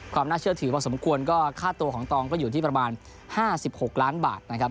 ความน่าเชื่อถือพอสมควรก็ค่าตัวของตองก็อยู่ที่ประมาณ๕๖ล้านบาทนะครับ